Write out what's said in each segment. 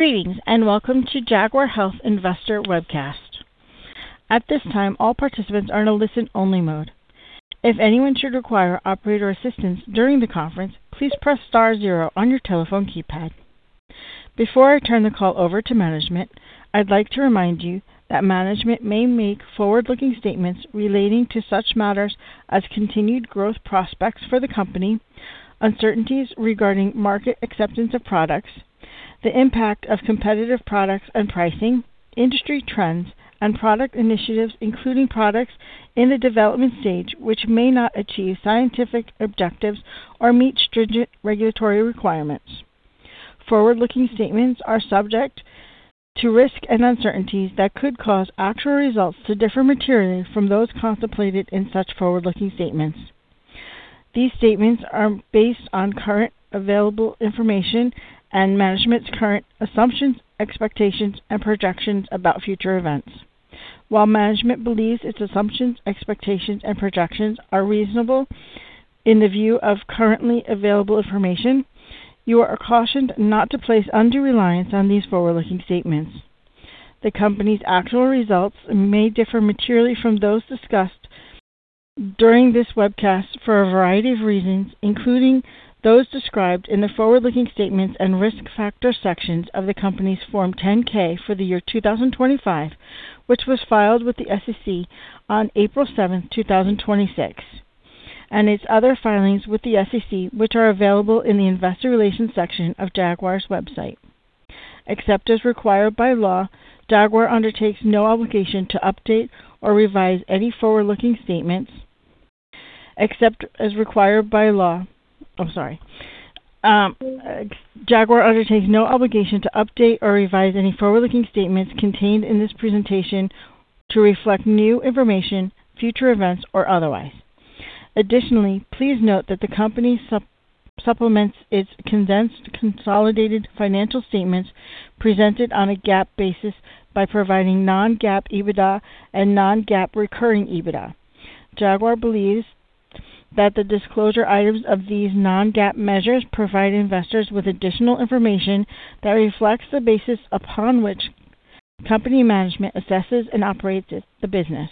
Greetings, and welcome to Jaguar Health Investor Webcast. Before I turn the call over to management, I'd like to remind you that management may make forward-looking statements relating to such matters as continued growth prospects for the company, uncertainties regarding market acceptance of products, the impact of competitive products and pricing, industry trends, and product initiatives, including products in the development stage which may not achieve scientific objectives or meet stringent regulatory requirements. Forward-looking statements are subject to risks and uncertainties that could cause actual results to differ materially from those contemplated in such forward-looking statements. These statements are based on current available information and management's current assumptions, expectations, and projections about future events. While management believes its assumptions, expectations, and projections are reasonable in the view of currently available information, you are cautioned not to place undue reliance on these forward-looking statements. The company's actual results may differ materially from those discussed during this webcast for a variety of reasons, including those described in the Forward-Looking Statements and Risk Factor sections of the company's Form 10-K for the year 2025, which was filed with the SEC on April 7th, 2026, and its other filings with the SEC, which are available in the Investor Relations section of Jaguar's website. Jaguar undertakes no obligation to update or revise any forward-looking statements contained in this presentation to reflect new information, future events, or otherwise. Additionally, please note that the company supplements its condensed consolidated financial statements presented on a GAAP basis by providing non-GAAP EBITDA and non-GAAP recurring EBITDA. Jaguar believes that the disclosure items of these non-GAAP measures provide investors with additional information that reflects the basis upon which company management assesses and operates the business.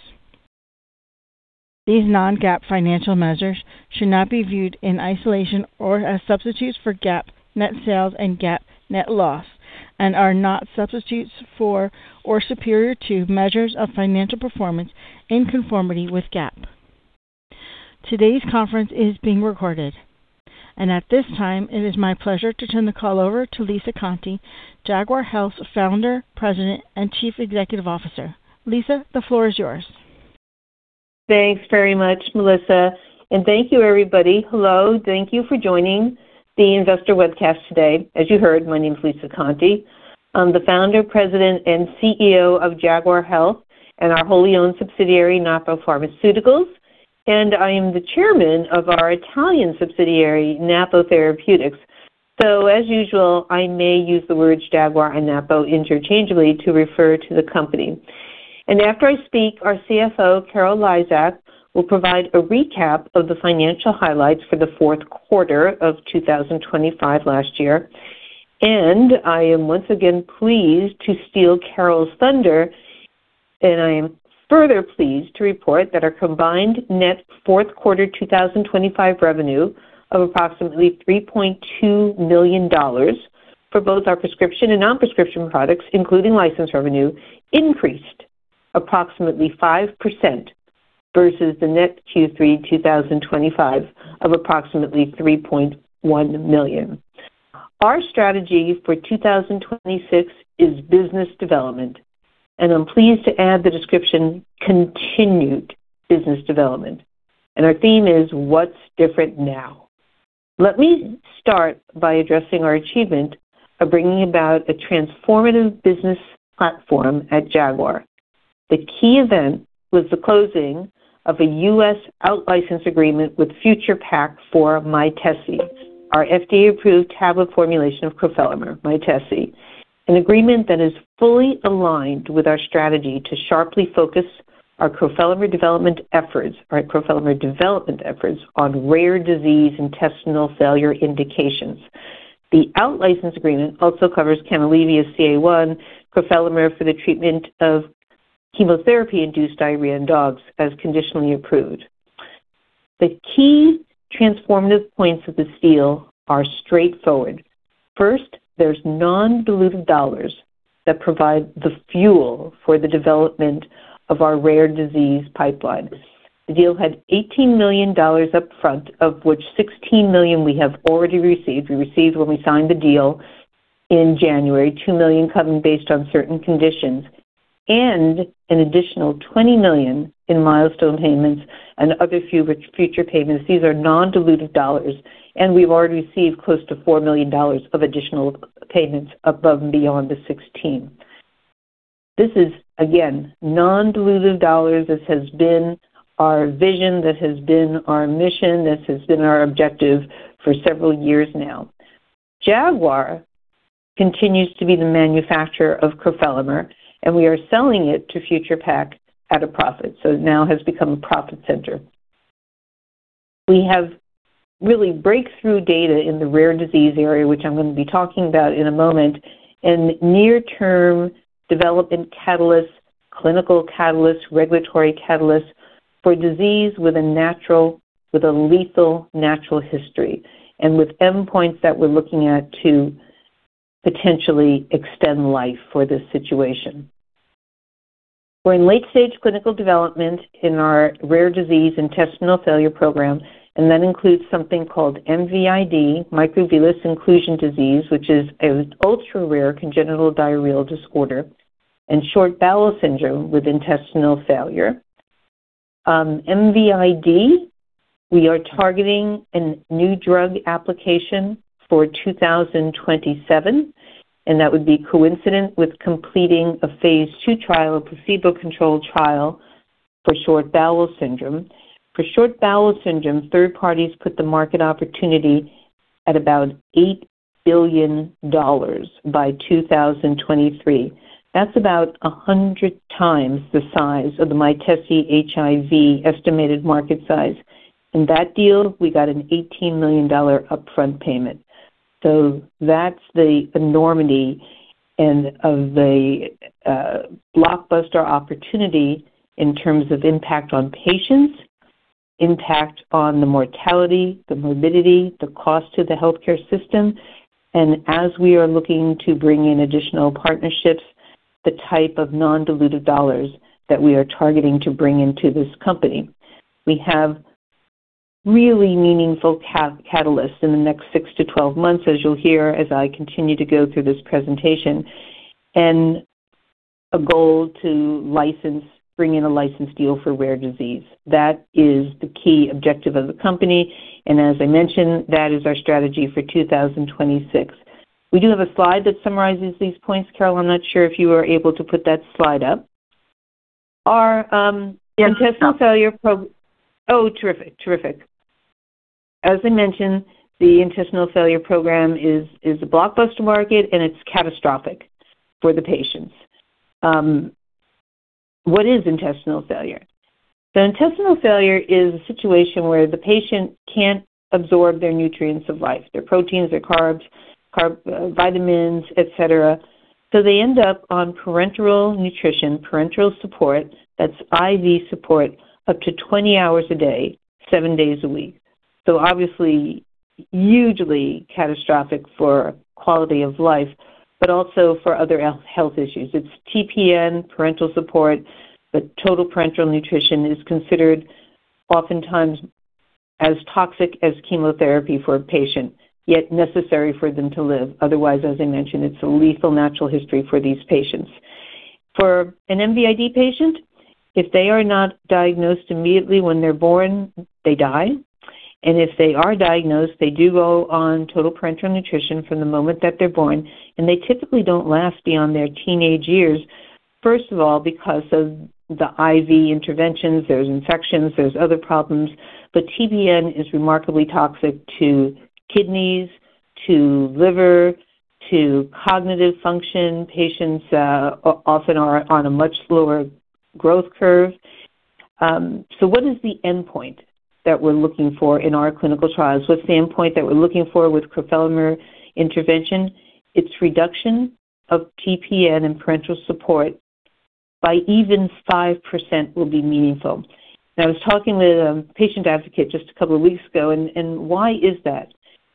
These non-GAAP financial measures should not be viewed in isolation or as substitutes for GAAP net sales and GAAP net loss and are not substitutes for or superior to measures of financial performance in conformity with GAAP. Today's conference is being recorded. At this time, it is my pleasure to turn the call over to Lisa Conte, Jaguar Health's Founder, President, and Chief Executive Officer. Lisa, the floor is yours. Thanks very much, Melissa, and thank you, everybody. Hello. Thank you for joining the investor webcast today. As you heard, my name's Lisa Conte. I'm the Founder, President, and CEO of Jaguar Health and our wholly owned subsidiary, Napo Pharmaceuticals. I am the Chairman of our Italian subsidiary, Napo Therapeutics. As usual, I may use the words Jaguar and Napo interchangeably to refer to the company. After I speak, our CFO, Carol Lizak, will provide a recap of the financial highlights for the fourth quarter of 2025 last year. I am once again pleased to steal Carol's thunder, and I am further pleased to report that our combined net fourth quarter 2025 revenue of approximately $3.2 million for both our prescription and non-prescription products, including license revenue, increased approximately 5% versus the net Q3 2025 of approximately $3.1 million. Our strategy for 2026 is business development, and I'm pleased to add the description continued business development. Our theme is what's different now. Let me start by addressing our achievement of bringing about a transformative business platform at Jaguar. The key event was the closing of a U.S. out-license agreement with Future Pak for Mytesi, our FDA-approved tablet formulation of crofelemer, Mytesi. An agreement that is fully aligned with our strategy to sharply focus our crofelemer development efforts on rare disease intestinal failure indications. The out-license agreement also covers Canalevia-CA1 crofelemer for the treatment of chemotherapy-induced diarrhea in dogs as conditionally approved. The key transformative points of this deal are straightforward. First, there's non-dilutive dollars that provide the fuel for the development of our rare disease pipeline. The deal had $18 million up front, of which $16 million we have already received. We received when we signed the deal in January, $2 million coming based on certain conditions, and an additional $20 million in milestone payments and other future payments. These are non-dilutive dollars, and we've already received close to $4 million of additional payments above and beyond the $16 million. This is, again, non-dilutive dollars. This has been our vision. This has been our mission. This has been our objective for several years now. Jaguar continues to be the manufacturer of crofelemer, and we are selling it to Future Pak at a profit. It now has become a profit center. We have really breakthrough data in the rare disease area, which I'm going to be talking about in a moment, and near-term development catalysts, clinical catalysts, regulatory catalysts for disease with a lethal natural history, and with endpoints that we're looking at to potentially extend life for this situation. We're in late-stage clinical development in our rare disease intestinal failure program, and that includes something called MVID, microvillus inclusion disease, which is an ultra-rare congenital diarrheal disorder, and short bowel syndrome with intestinal failure. MVID, we are targeting a New Drug Application for 2027, and that would be coincident with completing a phase II trial, a placebo-controlled trial for short bowel syndrome. For short bowel syndrome, third parties put the market opportunity at about $8 billion by 2033. That's about 100x the size of the Mytesi HIV estimated market size. In that deal, we got an $18 million upfront payment. So that's the enormity and of the blockbuster opportunity in terms of impact on patients, impact on the mortality, the morbidity, the cost to the healthcare system, and as we are looking to bring in additional partnerships, the type of non-dilutive dollars that we are targeting to bring into this company. We have really meaningful catalysts in the next 6-12 months, as you'll hear as I continue to go through this presentation, and a goal to bring in a license deal for rare disease. That is the key objective of the company, and as I mentioned, that is our strategy for 2026. We do have a slide that summarizes these points. Carol, I'm not sure if you are able to put that slide up. As I mentioned, the intestinal failure program is a blockbuster market, and it's catastrophic for the patients. What is intestinal failure? Intestinal failure is a situation where the patient can't absorb their nutrients of life, their proteins, their carbs, vitamins, et cetera. They end up on parenteral nutrition, parenteral support, that's IV support, up to 20 hours a day, seven days a week. Obviously, hugely catastrophic for quality of life, but also for other health issues. It's TPN, parenteral support, but total parenteral nutrition is considered oftentimes as toxic as chemotherapy for a patient, yet necessary for them to live. Otherwise, as I mentioned, it's a lethal natural history for these patients. For an MVID patient, if they are not diagnosed immediately when they're born, they die. If they are diagnosed, they do go on total parenteral nutrition from the moment that they're born, and they typically don't last beyond their teenage years, first of all, because of the IV interventions. There's infections, there's other problems. TPN is remarkably toxic to kidneys, to liver, to cognitive function. Patients often are on a much slower growth curve. What is the endpoint that we're looking for in our clinical trials? What's the endpoint that we're looking for with crofelemer intervention? It's reduction of TPN and parenteral support by even 5% will be meaningful. Now, I was talking with a patient advocate just a couple of weeks ago. Why is that?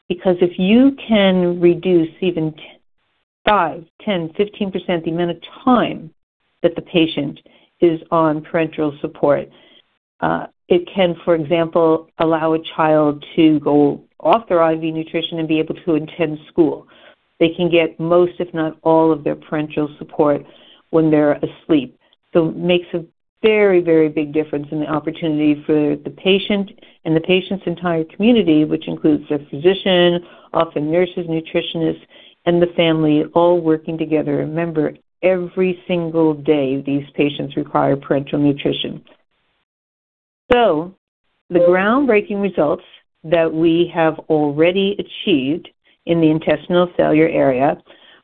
Because if you can reduce even 5%, 10%, 15% the amount of time that the patient is on parenteral support, it can, for example, allow a child to go off their IV nutrition and be able to attend school. They can get most, if not all, of their parenteral support when they're asleep. It makes a very big difference in the opportunity for the patient and the patient's entire community, which includes their physician, often nurses, nutritionists, and the family all working together. Remember, every single day, these patients require parenteral nutrition. The groundbreaking results that we have already achieved in the intestinal failure area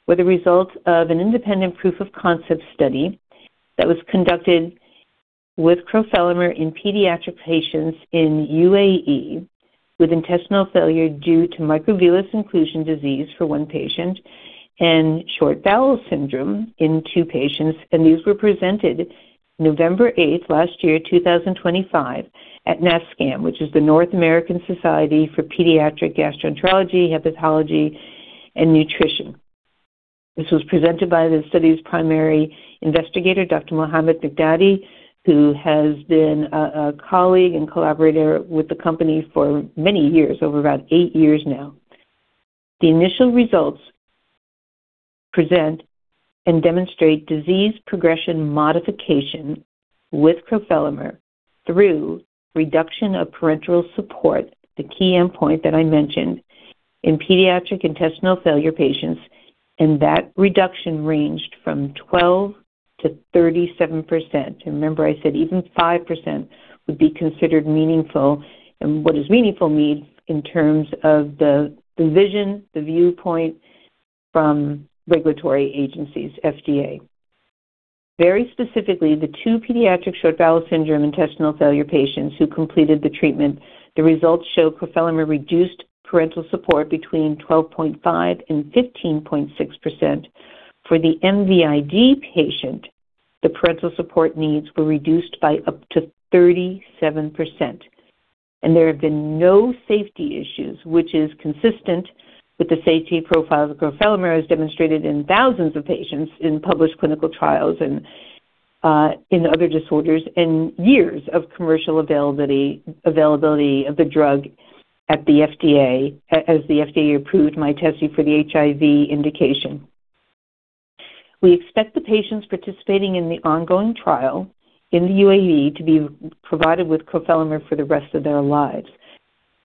were the results of an independent proof of concept study that was conducted with crofelemer in pediatric patients in U.A.E. with intestinal failure due to microvillus inclusion disease for one patient and short bowel syndrome in two patients. These were presented November 8th last year, 2025, at NASPGHAN, which is the North American Society for Pediatric Gastroenterology, Hepatology, and Nutrition. This was presented by the study's primary investigator, Dr. Mohamad Miqdady, who has been a colleague and collaborator with the company for many years, over about eight years now. The initial results present and demonstrate disease progression modification with crofelemer through reduction of parenteral support, the key endpoint that I mentioned, in pediatric intestinal failure patients, and that reduction ranged from 12%-37%. Remember I said even 5% would be considered meaningful, and what does meaningful mean in terms of the vision, the viewpoint from regulatory agencies, FDA? Very specifically, the two pediatric short bowel syndrome intestinal failure patients who completed the treatment, the results show crofelemer reduced parenteral support between 12.5% and 15.6%. For the MVID patient, the parenteral support needs were reduced by up to 37%. There have been no safety issues, which is consistent with the safety profile of crofelemer as demonstrated in thousands of patients in published clinical trials and in other disorders and years of commercial availability of the drug as the FDA approved Mytesi for the HIV indication. We expect the patients participating in the ongoing trial in the U.A.E. to be provided with crofelemer for the rest of their lives.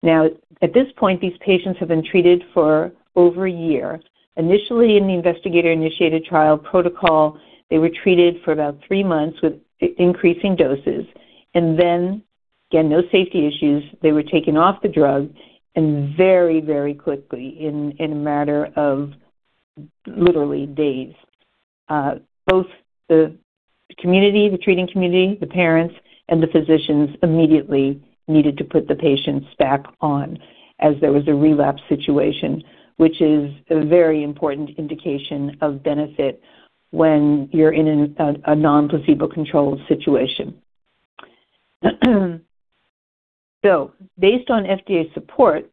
Now, at this point, these patients have been treated for over a year. Initially, in the investigator-initiated trial protocol, they were treated for about three months with increasing doses, and then, again, no safety issues, they were taken off the drug and very, very quickly, in a matter of literally days. Both the treating community, the parents, and the physicians immediately needed to put the patients back on as there was a relapse situation, which is a very important indication of benefit when you're in a non-placebo-controlled situation. So based on FDA support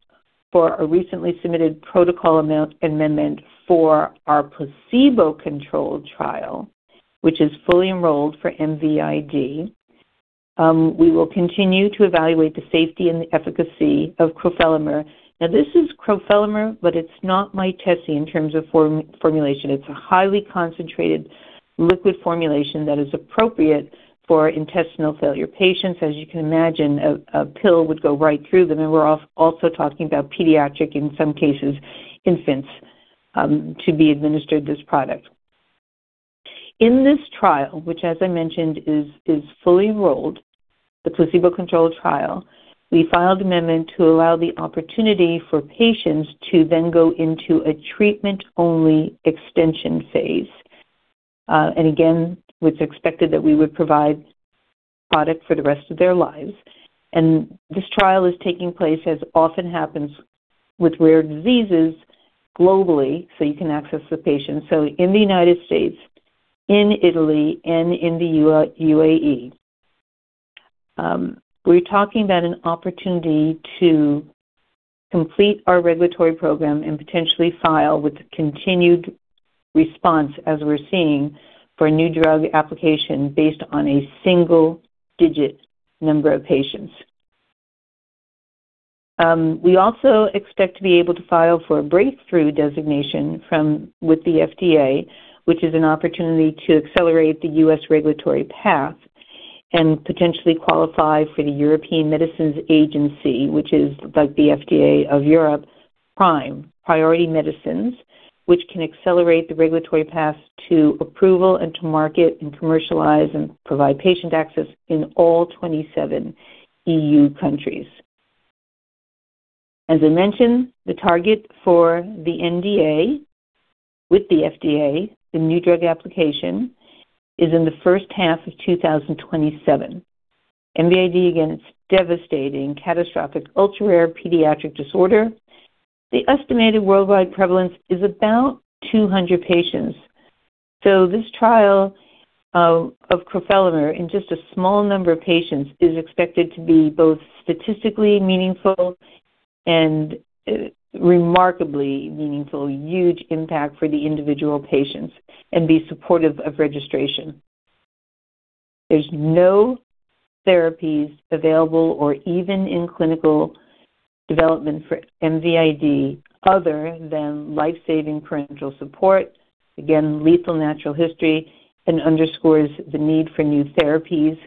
for a recently submitted protocol amendment for our placebo-controlled trial, which is fully enrolled for MVID, we will continue to evaluate the safety and the efficacy of crofelemer. Now this is crofelemer, but it's not Mytesi in terms of formulation. It's a highly concentrated liquid formulation that is appropriate for intestinal failure patients. As you can imagine, a pill would go right through them, and we're also talking about pediatric, in some cases, infants, to be administered this product. In this trial, which as I mentioned is fully enrolled, the placebo-controlled trial, we filed an amendment to allow the opportunity for patients to then go into a treatment-only extension phase. Again, it's expected that we would provide product for the rest of their lives. This trial is taking place, as often happens with rare diseases, globally, so you can access the patients in the U.S., in Italy, and in the U.A.E. We're talking about an opportunity to complete our regulatory program and potentially file with the continued response, as we're seeing, for a New Drug Application based on a single-digit number of patients. We also expect to be able to file for a Breakthrough designation with the FDA, which is an opportunity to accelerate the U.S. regulatory path and potentially qualify for the European Medicines Agency, which is like the FDA of Europe, PRIME, Priority Medicines, which can accelerate the regulatory path to approval and to market and commercialize and provide patient access in all 27 E.U. countries. As I mentioned, the target for the NDA with the FDA, the new drug application, is in the first half of 2027. MVID, again, is a devastating, catastrophic, ultra-rare pediatric disorder. The estimated worldwide prevalence is about 200 patients. This trial of crofelemer in just a small number of patients is expected to be both statistically meaningful and remarkably meaningful, huge impact for the individual patients and be supportive of registration. There's no therapies available or even in clinical development for MVID other than life-saving parenteral support. Again, lethal natural history and underscores the need for new therapies.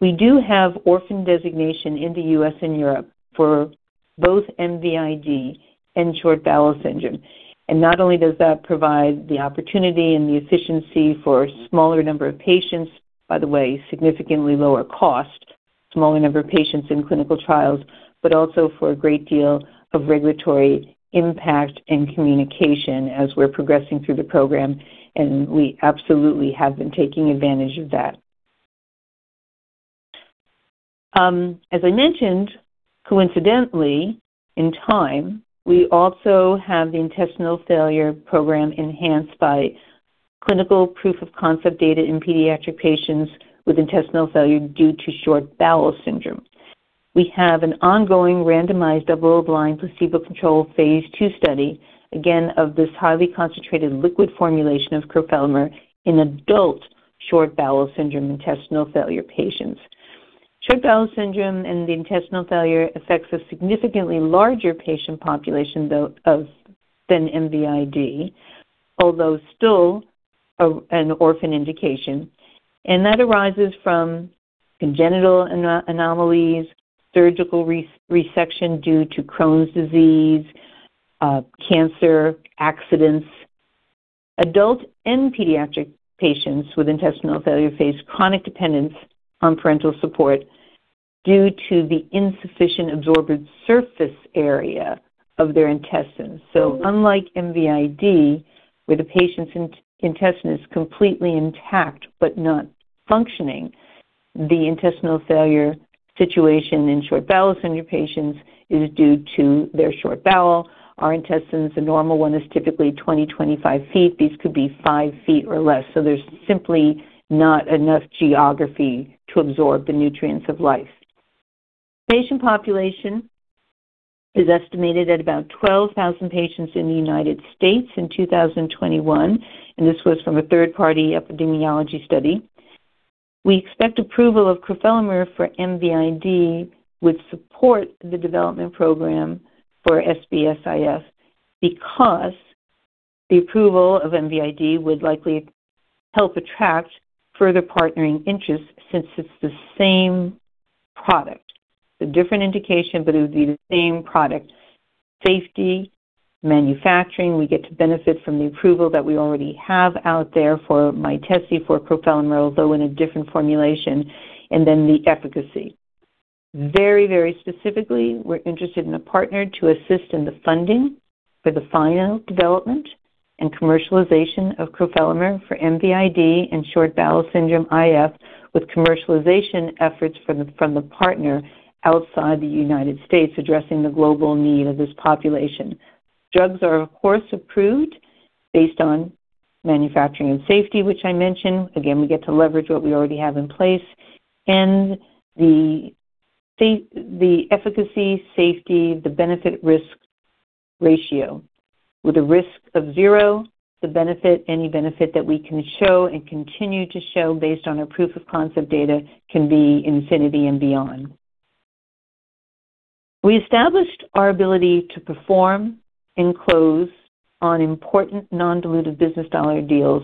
We do have orphan designation in the U.S. and Europe for both MVID and short bowel syndrome. Not only does that provide the opportunity and the efficiency for a smaller number of patients, by the way, significantly lower cost, smaller number of patients in clinical trials, but also for a great deal of regulatory impact and communication as we're progressing through the program, and we absolutely have been taking advantage of that. As I mentioned, coincidentally, in time, we also have the intestinal failure program enhanced by clinical proof of concept data in pediatric patients with intestinal failure due to short bowel syndrome. We have an ongoing randomized double-blind placebo-controlled phase II study, again, of this highly concentrated liquid formulation of crofelemer in adult short bowel syndrome intestinal failure patients. Short bowel syndrome and the intestinal failure affects a significantly larger patient population, though, than MVID, although still an orphan indication. That arises from congenital anomalies, surgical resection due to Crohn's disease, cancer, accidents. Adult and pediatric patients with intestinal failure face chronic dependence on parenteral support due to the insufficient absorbent surface area of their intestines. Unlike MVID, where the patient's intestine is completely intact but not functioning, the intestinal failure situation in short bowel syndrome patients is due to their short bowel. Our intestines, a normal one is typically 20-25 ft. These could be 5 ft or less, so there's simply not enough geography to absorb the nutrients of life. Patient population is estimated at about 12,000 patients in the United States in 2021, and this was from a third-party epidemiology study. We expect approval of crofelemer for MVID would support the development program for SBS-IF because the approval of MVID would likely help attract further partnering interests since it's the same product. It's a different indication, but it would be the same product. Safety, manufacturing, we get to benefit from the approval that we already have out there for Mytesi, for crofelemer, although in a different formulation, and then the efficacy. Very specifically, we're interested in a partner to assist in the funding for the final development and commercialization of crofelemer for MVID and short bowel syndrome IF with commercialization efforts from the partner outside the United States, addressing the global need of this population. Drugs are, of course, approved based on manufacturing and safety, which I mentioned. Again, we get to leverage what we already have in place. The efficacy, safety, the benefit/risk ratio, with a risk of zero, the benefit, any benefit that we can show and continue to show based on our proof-of-concept data can be infinity and beyond. We established our ability to perform and close on important non-dilutive business dollar deals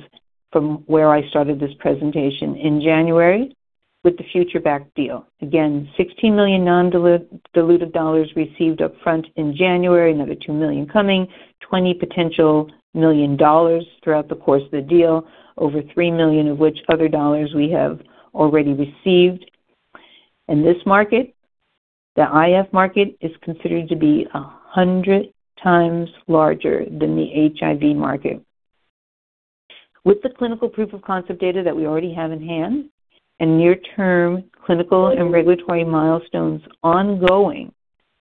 from where I started this presentation in January with the Future Pak deal. Again, $16 million non-diluted dollars received upfront in January, another $2 million coming, $20 million potential dollars throughout the course of the deal, over $3 million of which other dollars we have already received. In this market, the IF market is considered to be 100x larger than the HIV market. With the clinical proof-of-concept data that we already have in hand and near-term clinical and regulatory milestones ongoing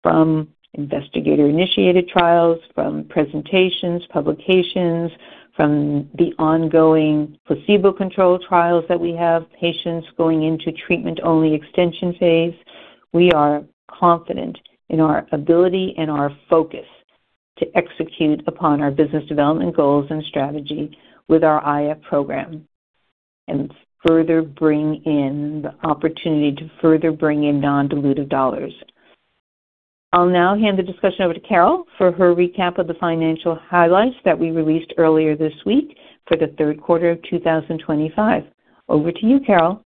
from investigator-initiated trials, from presentations, publications, from the ongoing placebo-controlled trials that we have, patients going into treatment-only extension phase, we are confident in our ability and our focus to execute upon our business development goals and strategy with our IF program and the opportunity to further bring in non-dilutive dollars. I'll now hand the discussion over to Carol for her recap of the financial highlights that we released earlier this week for the third quarter of 2025. Over to you, Carol.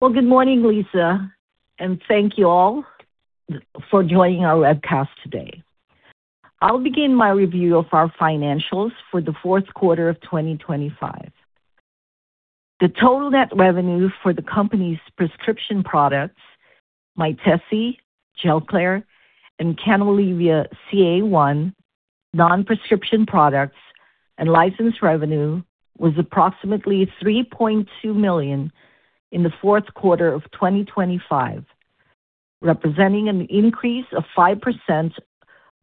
Well, good morning, Lisa, and thank you all for joining our webcast today. I'll begin my review of our financials for the fourth quarter of 2025. The total net revenue for the company's prescription products, Mytesi, Gelclair, and Canalevia-CA1, non-prescription products, and license revenue, was approximately $3.2 million in the fourth quarter of 2025, representing an increase of 5%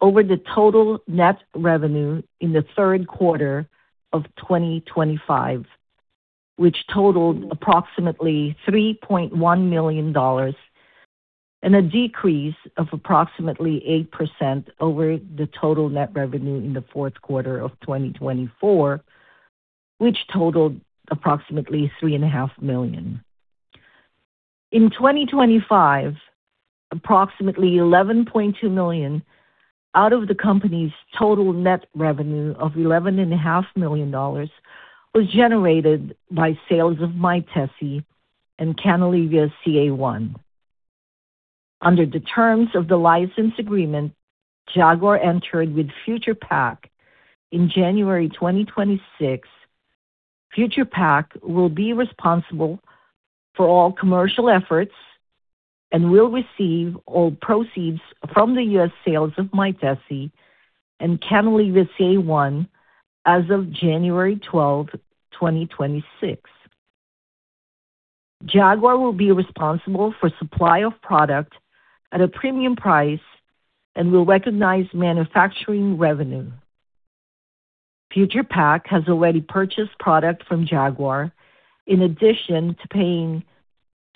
over the total net revenue in the third quarter of 2025, which totaled approximately $3.1 million, and a decrease of approximately 8% over the total net revenue in the fourth quarter of 2024, which totaled approximately $3.5 million. In 2025, approximately $11.2 million out of the company's total net revenue of $11.5 Million dollars was generated by sales of Mytesi and Canalevia-CA1. Under the terms of the license agreement Jaguar entered with Future Pak in January 2026, Future Pak will be responsible for all commercial efforts and will receive all proceeds from the U.S. sales of Mytesi and Canalevia-CA1 as of January 12, 2026. Jaguar will be responsible for supply of product at a premium price and will recognize manufacturing revenue. Future Pak has already purchased product from Jaguar, in addition to paying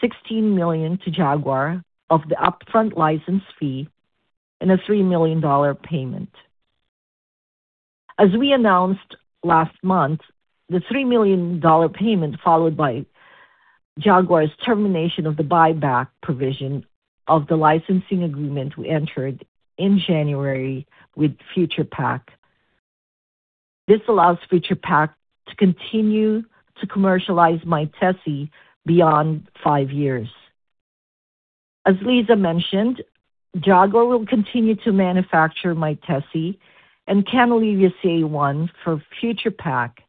$16 million to Jaguar of the upfront license fee and a $3 million payment. As we announced last month, the $3 million payment followed by Jaguar's termination of the buyback provision of the licensing agreement we entered in January with Future Pak. This allows Future Pak to continue to commercialize Mytesi beyond five years. As Lisa mentioned, Jaguar will continue to manufacture Mytesi and Canalevia-CA1 for Future Pak,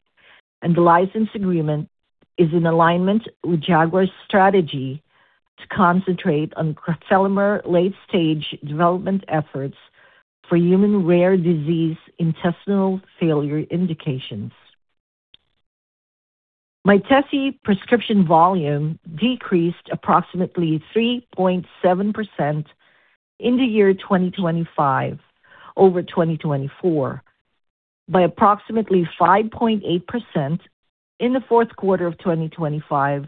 and the license agreement is in alignment with Jaguar's strategy to concentrate on crofelemer late-stage development efforts for human rare disease intestinal failure indications. Mytesi prescription volume decreased approximately 3.7% in the year 2025 over 2024, by approximately 5.8% in the fourth quarter of 2025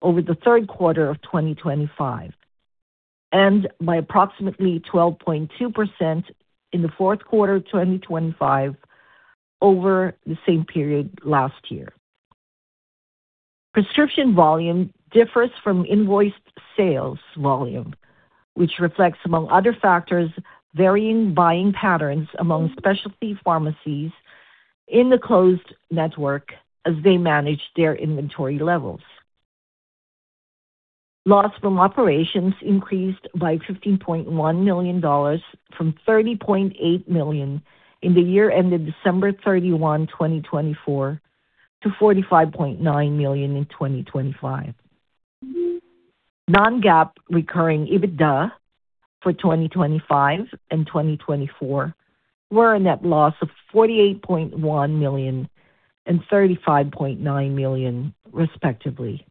over the third quarter of 2025, and by approximately 12.2% in the fourth quarter of 2025 over the same period last year. Prescription volume differs from invoiced sales volume, which reflects, among other factors, varying buying patterns among specialty pharmacies in the closed network as they manage their inventory levels. Loss from operations increased by $15.1 million from $30.8 million in the year ended December 31, 2024, to $45.9 million in 2025. Non-GAAP recurring EBITDA for 2025 and 2024 were a net loss of $48.1 million and $35.9 million, respectively.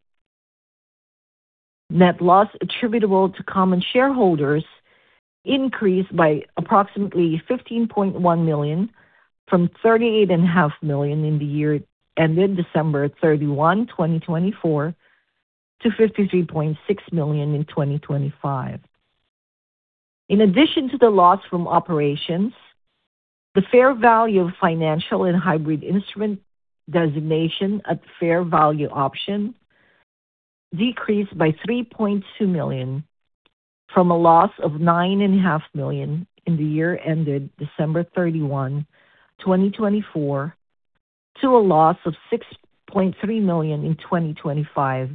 Net loss attributable to common shareholders increased by approximately $15.1 million from $38.5 Million in the year ended December 31, 2024, to $53.6 million in 2025. In addition to the loss from operations, the fair value of financial and hybrid instrument designation at fair value option decreased by $3.2 million from a loss of $9.5 million in the year ended December 31, 2024, to a loss of $6.3 million in 2025,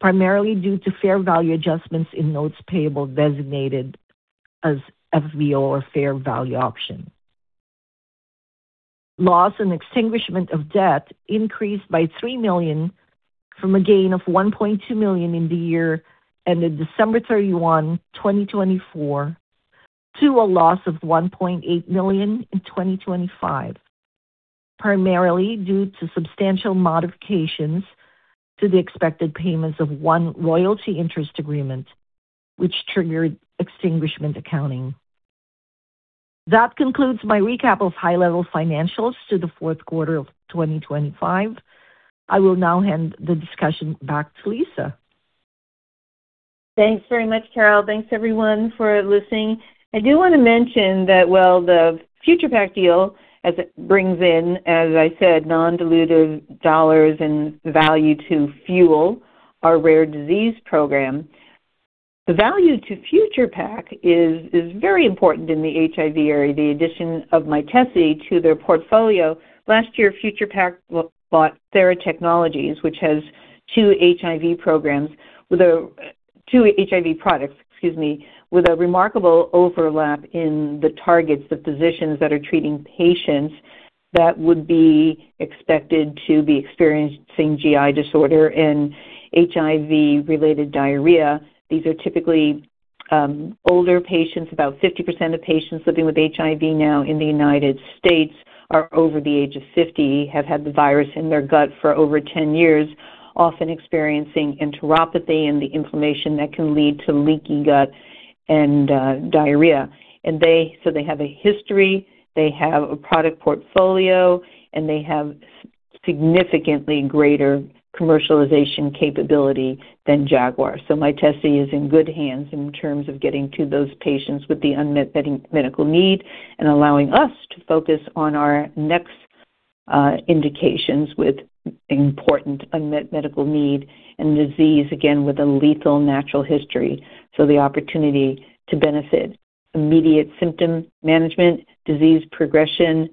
primarily due to fair value adjustments in notes payable designated as FVO, or fair value option. Loss on extinguishment of debt increased by $3 million from a gain of $1.2 million in the year ended December 31, 2024, to a loss of $1.8 million in 2025, primarily due to substantial modifications to the expected payments of one royalty interest agreement, which triggered extinguishment accounting. That concludes my recap of high-level financials to the fourth quarter of 2025. I will now hand the discussion back to Lisa. Thanks very much, Carol. Thanks, everyone, for listening. I do want to mention that while the Future Pak deal, as it brings in, as I said, non-dilutive dollars and value to fuel our rare disease program, the value to Future Pak is very important in the HIV area, the addition of Mytesi to their portfolio. Last year, Future Pak bought Theratechnologies, which has two HIV products with a remarkable overlap in the targets of physicians that are treating patients that would be expected to be experiencing GI disorder and HIV-related diarrhea. These are typically older patients. About 50% of patients living with HIV now in the United States are over the age of 50, have had the virus in their gut for over 10 years, often experiencing enteropathy and the inflammation that can lead to leaky gut and diarrhea. They have a history, they have a product portfolio, and they have significantly greater commercialization capability than Jaguar. Mytesi is in good hands in terms of getting to those patients with the unmet medical need and allowing us to focus on our next indications with important unmet medical need and disease, again, with a lethal natural history. The opportunity to benefit immediate symptom management, disease progression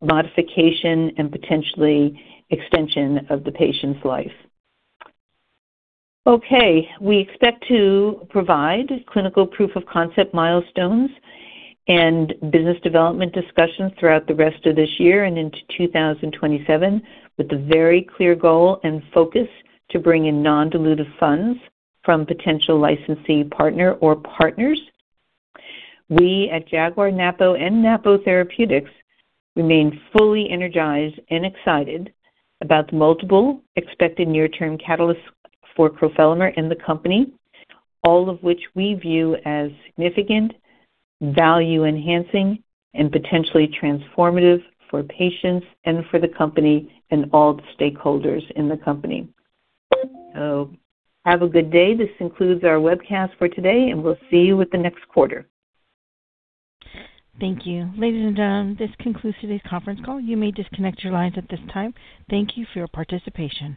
modification, and potentially extension of the patient's life. Okay. We expect to provide clinical proof of concept milestones and business development discussions throughout the rest of this year and into 2027 with a very clear goal and focus to bring in non-dilutive funds from potential licensee partner or partners. We at Jaguar, Napo, and Napo Therapeutics remain fully energized and excited about the multiple expected near-term catalysts for crofelemer in the company, all of which we view as significant, value-enhancing, and potentially transformative for patients and for the company and all the stakeholders in the company. Have a good day. This concludes our webcast for today, and we'll see you with the next quarter. Thank you. Ladies and gentlemen, this concludes today's conference call. You may disconnect your lines at this time. Thank you for your participation.